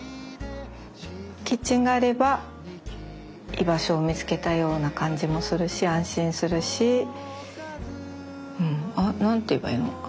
キッチンがあれば居場所を見つけたような感じもするし安心するし何て言えばいいのか？